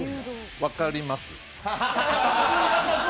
分かります？